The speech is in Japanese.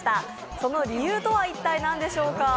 その理由とは、一体何でしょうか？